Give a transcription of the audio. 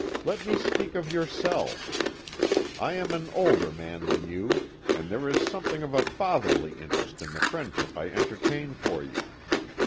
Let us speak of yourself. I am an older man than you, and there is something of a fatherly interest in the friendship I entertain for you.